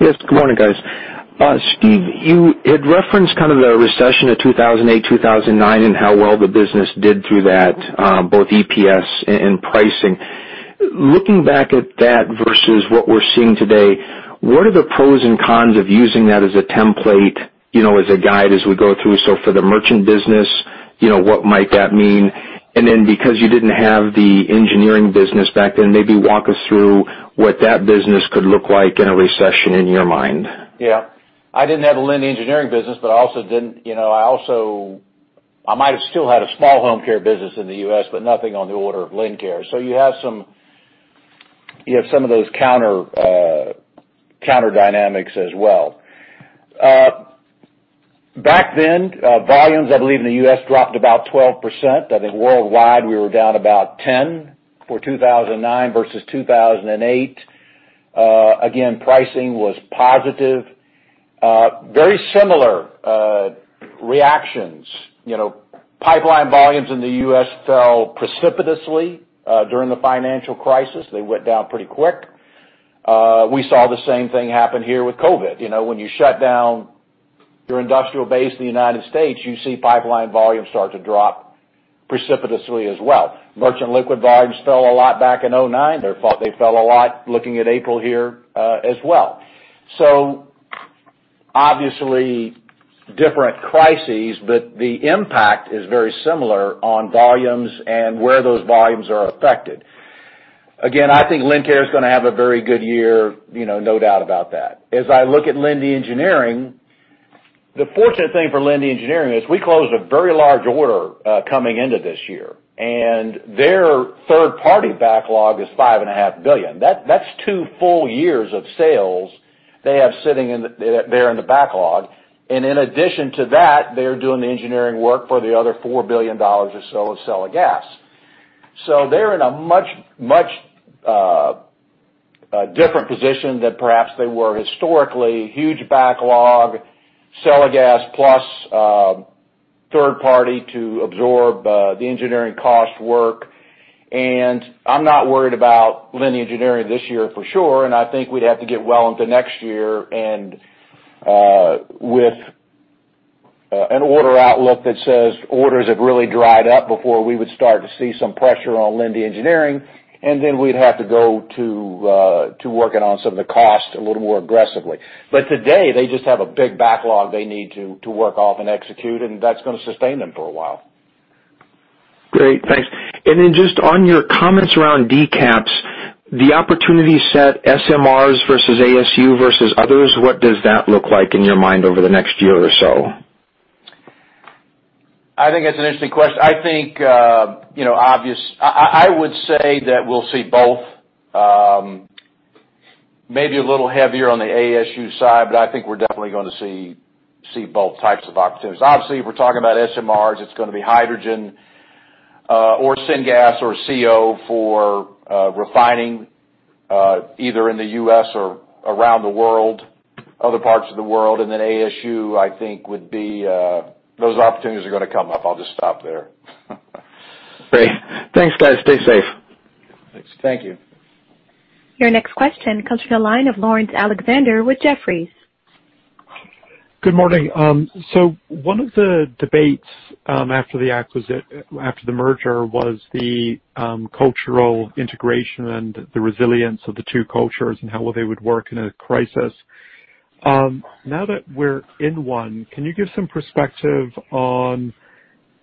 Good morning, guys. Steve, you had referenced kind of the recession of 2008, 2009, and how well the business did through that, both EPS and pricing. Looking back at that versus what we're seeing today, what are the pros and cons of using that as a template, as a guide as we go through? For the merchant business, what might that mean? Because you didn't have the engineering business back then, maybe walk us through what that business could look like in a recession in your mind. I didn't have a Linde Engineering business, but I might have still had a small home care business in the U.S., but nothing on the order of Lincare. You have some of those counter dynamics as well. Back then, volumes, I believe, in the U.S. dropped about 12%. I think worldwide we were down about 10% for 2009 versus 2008. Again, pricing was positive. Very similar reactions. Pipeline volumes in the U.S. fell precipitously during the financial crisis. They went down pretty quick. We saw the same thing happen here with COVID. When you shut down your industrial base in the United States, you see pipeline volumes start to drop precipitously as well. Merchant liquid volumes fell a lot back in 2009. They fell a lot looking at April here as well. Obviously different crises, but the impact is very similar on volumes and where those volumes are affected. I think Lincare is going to have a very good year, no doubt about that. I look at Linde Engineering, the fortunate thing for Linde Engineering is we closed a very large order coming into this year, and their third party backlog is $5.5 billion. That's two full years of sales they have sitting there in the backlog. In addition to that, they're doing the engineering work for the other $4 billion or so of selling gas. They're in a much different position than perhaps they were historically. Huge backlog. Sale of gas plus third party to absorb the engineering cost work. I'm not worried about Linde Engineering this year for sure. I think we'd have to get well into next year and with an order outlook that says orders have really dried up before we would start to see some pressure on Linde Engineering. Then we'd have to go to working on some of the cost a little more aggressively. Today, they just have a big backlog they need to work off and execute, and that's going to sustain them for a while. Great. Thanks. Then just on your comments around decaps, the opportunity set SMRs versus ASU versus others, what does that look like in your mind over the next year or so? I think that's an interesting question. I would say that we'll see both, maybe a little heavier on the ASU side, but I think we're definitely going to see both types of opportunities. Obviously, if we're talking about SMRs, it's going to be hydrogen or syngas or CO for refining, either in the U.S. or around the world, other parts of the world. ASU, I think, those opportunities are going to come up. I'll just stop there. Great. Thanks, guys. Stay safe. Thanks. Thank you. Your next question comes from the line of Laurence Alexander with Jefferies. Good morning. One of the debates after the merger was the cultural integration and the resilience of the two cultures and how well they would work in a crisis. Now that we're in one, can you give some perspective on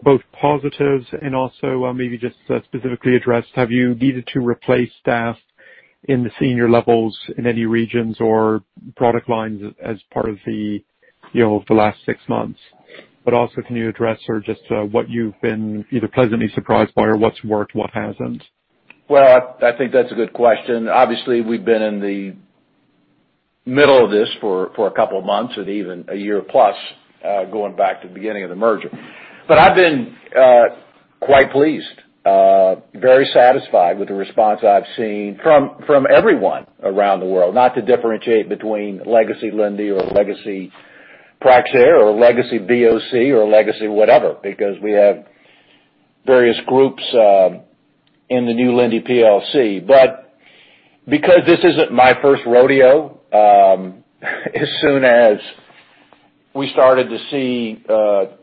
both positives and also maybe just specifically address, have you needed to replace staff in the senior levels in any regions or product lines as part of the last six months? Also, can you address or just what you've been either pleasantly surprised by or what's worked, what hasn't? Well, I think that's a good question. Obviously, we've been in the middle of this for a couple of months, and even a year plus, going back to the beginning of the merger. I've been quite pleased, very satisfied with the response I've seen from everyone around the world. Not to differentiate between legacy Linde or legacy Praxair or legacy BOC or legacy whatever, because we have various groups in the new Linde plc. Because this isn't my first rodeo, as soon as we started to see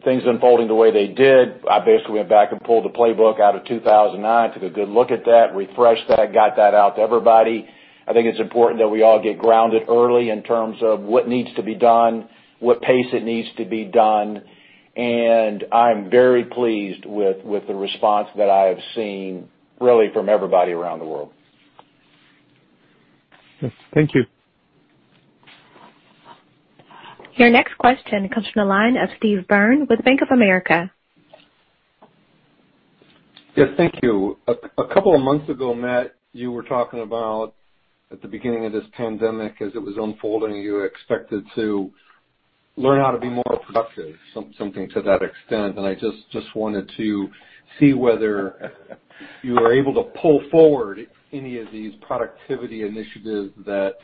things unfolding the way they did, I basically went back and pulled the playbook out of 2009, took a good look at that, refreshed that, got that out to everybody. I think it's important that we all get grounded early in terms of what needs to be done, what pace it needs to be done, and I'm very pleased with the response that I have seen, really from everybody around the world. Yes. Thank you. Your next question comes from the line of Steve Byrne with Bank of America. Yes. Thank you. A couple of months ago, Matt, you were talking about at the beginning of this pandemic, as it was unfolding, you expected to learn how to be more productive, something to that extent. I just wanted to see whether you were able to pull forward any of these productivity initiatives that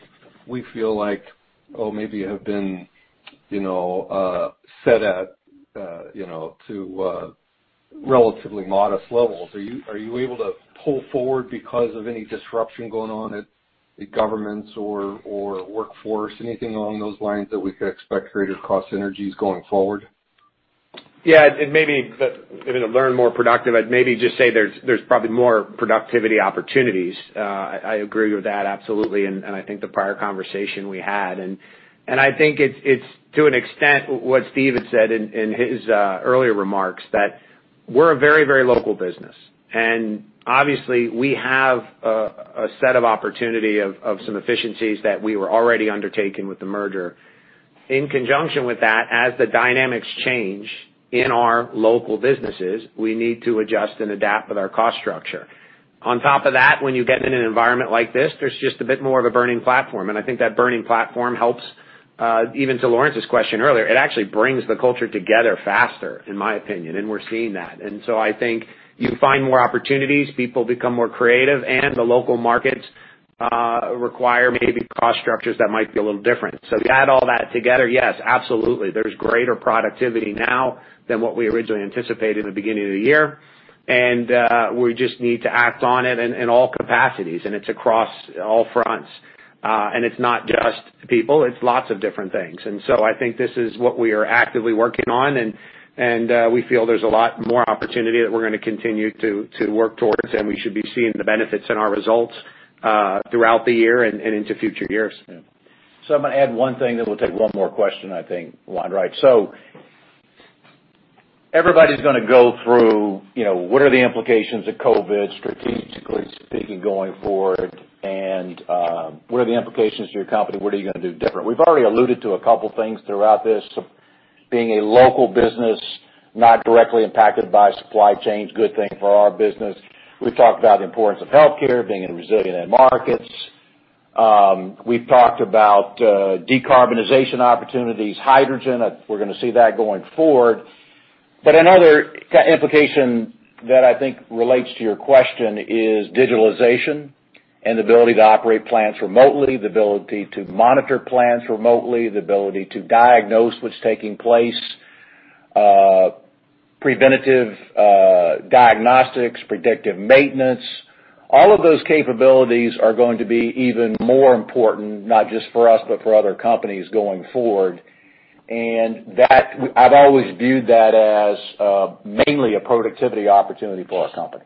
we feel like, oh, maybe have been set at relatively modest levels. Are you able to pull forward because of any disruption going on at the governments or workforce? Anything along those lines that we could expect greater cost synergies going forward? Yeah. Maybe even to learn more productive, I'd maybe just say there's probably more productivity opportunities. I agree with that absolutely and I think the prior conversation we had. I think it's to an extent what Steve had said in his earlier remarks, that we're a very local business. Obviously we have a set of opportunity of some efficiencies that we were already undertaking with the merger. In conjunction with that, as the dynamics change in our local businesses, we need to adjust and adapt with our cost structure. On top of that, when you get in an environment like this, there's just a bit more of a burning platform. I think that burning platform helps, even to Laurence's question earlier, it actually brings the culture together faster, in my opinion, and we're seeing that. I think you find more opportunities, people become more creative, and the local markets require maybe cost structures that might be a little different. You add all that together, yes, absolutely. There's greater productivity now than what we originally anticipated at the beginning of the year, and we just need to act on it in all capacities. It's across all fronts. It's not just people, it's lots of different things. I think this is what we are actively working on, and we feel there's a lot more opportunity that we're going to continue to work towards, and we should be seeing the benefits in our results throughout the year and into future years. I'm going to add one thing, then we'll take one more question, I think, Laurence. Everybody's going to go through, what are the implications of COVID, strategically speaking, going forward, and what are the implications to your company? What are you going to do different? We've already alluded to a couple things throughout this. Being a local business, not directly impacted by supply chains, good thing for our business. We've talked about the importance of healthcare, being in resilient end markets. We've talked about decarbonization opportunities, hydrogen. We're going to see that going forward. Another implication that I think relates to your question is digitalization and the ability to operate plants remotely, the ability to monitor plants remotely, the ability to diagnose what's taking place, preventative diagnostics, predictive maintenance. All of those capabilities are going to be even more important, not just for us, but for other companies going forward. I've always viewed that as mainly a productivity opportunity for our company.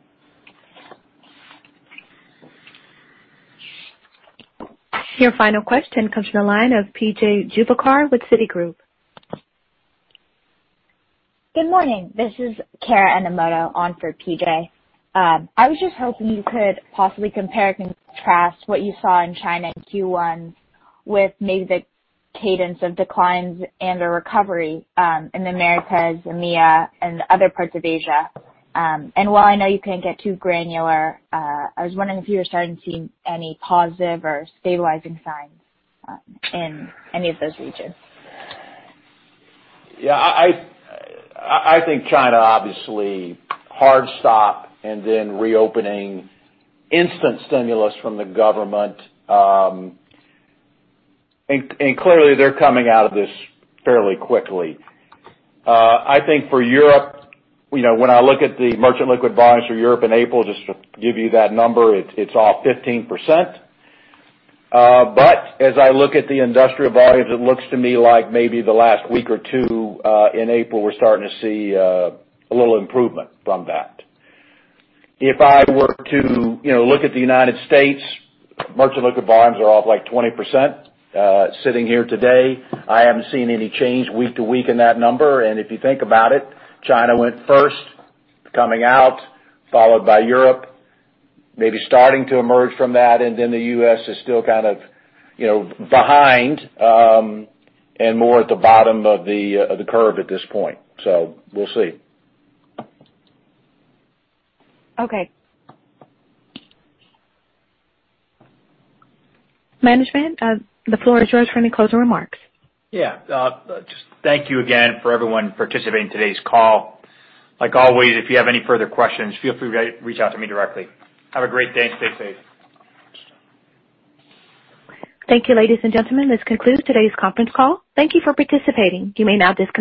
Your final question comes from the line of PJ Juvekar with Citigroup. Good morning. This is Kara Enomoto on for PJ. I was just hoping you could possibly compare and contrast what you saw in China in Q1 with maybe the cadence of declines and the recovery, in the Americas, EMEA, and other parts of Asia. While I know you can't get too granular, I was wondering if you were starting to see any positive or stabilizing signs, in any of those regions. Yeah, I think China, obviously, hard stop and then reopening instant stimulus from the government. Clearly they're coming out of this fairly quickly. I think for Europe, when I look at the merchant liquid volumes for Europe in April, just to give you that number, it's off 15%. As I look at the industrial volumes, it looks to me like maybe the last week or two, in April, we're starting to see a little improvement from that. If I were to look at the United States, merchant liquid volumes are off like 20%, sitting here today. I haven't seen any change week to week in that number. If you think about it, China went first, coming out, followed by Europe, maybe starting to emerge from that, and then the U.S. is still kind of behind, and more at the bottom of the curve at this point. We'll see. Okay. Management, the floor is yours for any closing remarks. Yeah. Just thank you again for everyone participating in today's call. Like always, if you have any further questions, feel free to reach out to me directly. Have a great day and stay safe. Thank you, ladies and gentlemen, this concludes today's conference call. Thank you for participating. You may now disconnect.